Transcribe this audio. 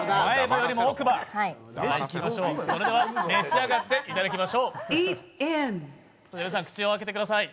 それでは召し上がっていただきましょう皆さん、口を開けてください。